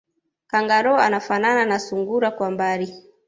Kangaroo anafanana na sungura kwa mbali